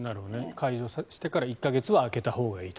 解除してから１か月は空けたほうがいいと。